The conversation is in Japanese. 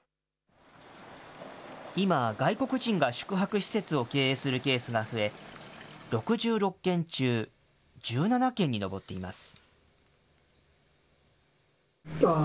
今、外国人が宿泊施設を経営するケースが増え、６６軒中、１７軒に上っています。